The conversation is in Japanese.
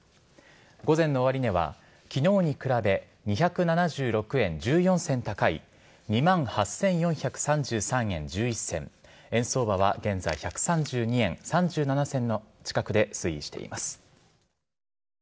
午前の終値は昨日に比べ２７６円１４銭高い２万８４３３円１１銭円相場は現在１３２円３７銭近くで推移しています。